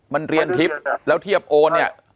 มันเรียนทิพย์แล้วเทียบโอนเนี่ย